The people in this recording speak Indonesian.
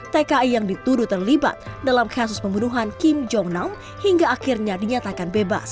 tki yang dituduh terlibat dalam kasus pembunuhan kim jong nam hingga akhirnya dinyatakan bebas